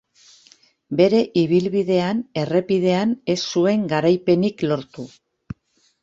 Bere ibilbidean errepidean ez zuen garaipenik lortu.